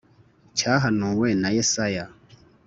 Cyahanuwe na Yesaya